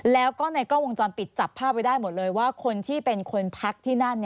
แล้วก็ในกล้องวงจรปิดจับภาพไว้ได้หมดเลยว่าคนที่เป็นคนพักที่นั่น